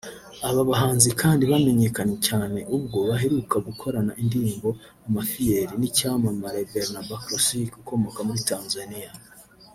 Aba bahanzi kandi bamenyekanye cyane ubwo baheruka gukorana indirimbo “Amafiyeri” n’icyamamare 'Barnaba Classic’ ukomoka muri Tanzania